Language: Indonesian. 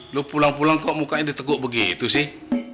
lu pulang pulang kok mukanya diteguk begitu sih